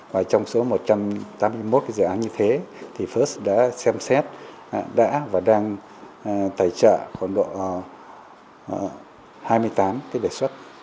và trong số một trăm tám mươi một cái dự án như thế thì first đã xem xét đã và đang tài trợ khoảng độ hai mươi tám cái đề xuất